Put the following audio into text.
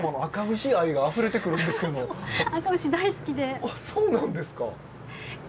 あそうなんですか。